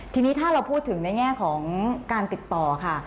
ทีนี้ถ้าเราพูดถึงในแง่ของการติดต่อค่ะ